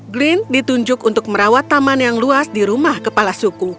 glenn ditunjuk untuk merawat taman yang luas di rumah kepala suku